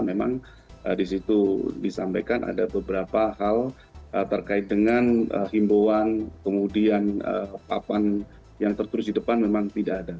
memang di situ disampaikan ada beberapa hal terkait dengan himbauan kemudian papan yang tertulis di depan memang tidak ada